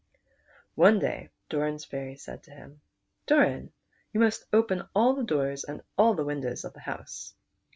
One day Doran's fairy said to him, " Doran, you must open all the doors and windows of the house."